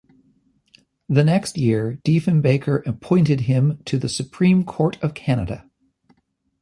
The next year, Diefenbaker appointed him to the Supreme Court of Canada.